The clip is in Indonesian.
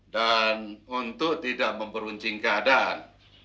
dan untuk tidak memperuncing keadaan